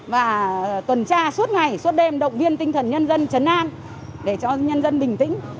và tuần tra suốt ngày suốt đêm động viên tinh thần nhân dân chấn an để cho nhân dân bình tĩnh